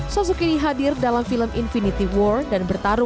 sosok ini hadir dalam film infinity war